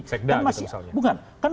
sekda misalnya bukan